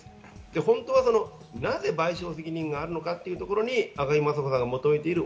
本当はなぜ賠償責任があるのかというところに雅子さんが求めている。